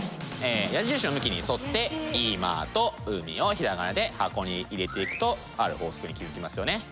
矢印の向きに沿って「いま」と「うみ」を平仮名で箱に入れていくとある法則に気付きますよね。